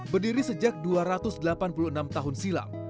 berdiri sejak dua ratus delapan puluh enam tahun silam